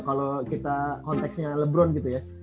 kalo kita konteksnya lebron gitu ya